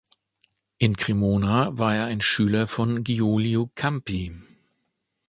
In Cremona war er ein Schüler von Giulio Campi.